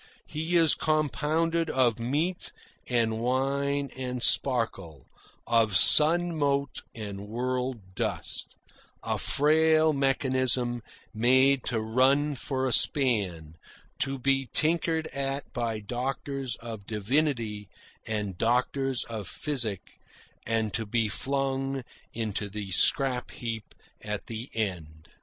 He is compounded of meat and wine and sparkle, of sun mote and world dust, a frail mechanism made to run for a span, to be tinkered at by doctors of divinity and doctors of physic, and to be flung into the scrap heap at the end.